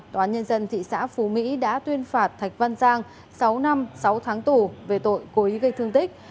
tòa án nhân dân thị xã phú mỹ đã tuyên phạt thạch văn giang sáu năm sáu tháng tù về tội cố ý gây thương tích